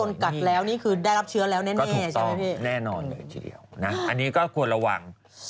อย่างนี้ถูกต้องแน่นอนเลยทีเดียวอันนี้ก็ควรระวัง